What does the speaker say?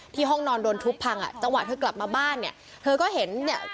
ห้องนอนโดนทุบพังอ่ะจังหวะเธอกลับมาบ้านเนี่ยเธอก็เห็นเนี่ย